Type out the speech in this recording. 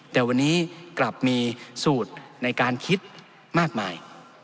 แต่วันนี้กลับมีสูตรในการคิดมากมาย